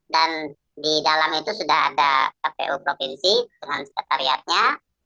dan di dalam itu sudah ada kpu provinsi dengan sekretariatnya